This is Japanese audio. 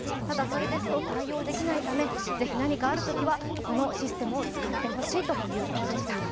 ただ、それですと対応できないためぜひ、何かあるときはこのシステムを使ってほしいということでした。